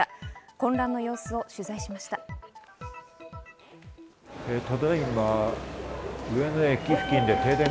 混乱の様子を取材しました。